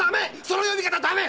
その呼び方ダメ！